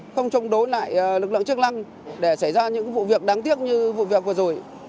không chống đối lại lực lượng chức năng để xảy ra những vụ việc đáng tiếc như vụ việc vừa rồi